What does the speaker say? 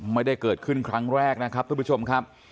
ไม่ได้เกิดขึ้นครั้งแรกนะครับทุกผู้ชมครับ